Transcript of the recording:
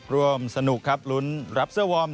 ร่วมสนุกครับลุ้นรับเสื้อวอร์ม